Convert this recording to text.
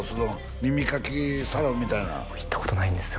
耳かきサロンみたいな行ったことないんですよ